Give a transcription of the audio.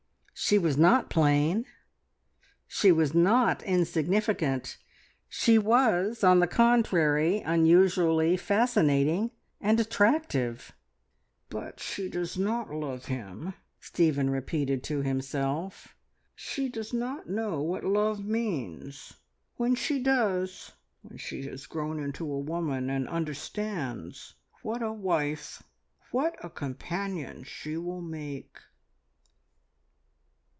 She was not plain; she was not insignificant; she was, on the contrary, unusually fascinating and attractive! "But she does not love him," Stephen repeated to himself. "She does not know what love means. When she does when she has grown into a woman, and understands what a wife, what a companion she will make!"